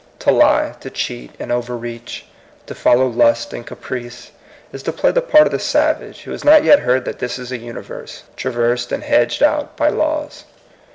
To lie, to cheat and overreach, to follow lust and caprice, is to play the part of the savage who has not yet heard that this is a universe, traversed and hedged about by laws.